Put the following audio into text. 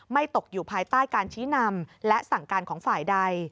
ตกอยู่ภายใต้การชี้นำและสั่งการของฝ่ายใด